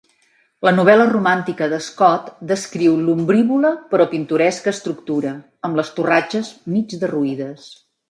La novel·la romàntica de Scott descriu l'"ombrívola però pintoresca estructura" amb les "torratxes mig derruïdes".